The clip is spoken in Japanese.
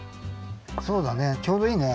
そうだねちょうどいいね。